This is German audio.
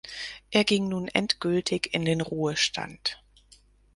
Er ging nun endgültig in den Ruhestand.